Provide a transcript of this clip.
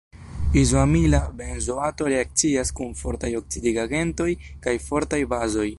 Izoamila benzoato reakcias kun fortaj oksidigagentoj kaj fortaj bazoj.